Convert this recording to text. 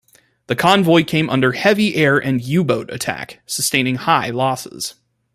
The convoy came under heavy air and U-boat attack, sustaining high losses.